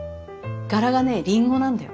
柄がねリンゴなんだよ。